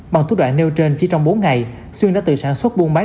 bằng thuốc đoạn nêu trên chỉ trong bốn ngày xuyên đã tự sản xuất buôn bán